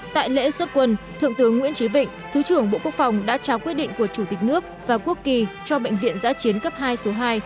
tại lễ xuất quân thượng tướng nguyễn trí vịnh thứ trưởng bộ quốc phòng đã trao quyết định của chủ tịch nước và quốc kỳ cho bệnh viện giã chiến cấp hai số hai